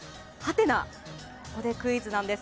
ここでクイズです。